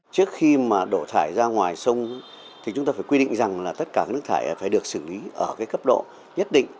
trước khi đổ thải ra ngoài sông chúng ta phải quy định rằng tất cả nước thải phải được xử lý ở cấp độ nhất định